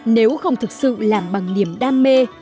nếu không thực sự làm bằng niềm đam mê